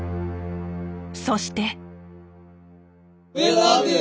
そして。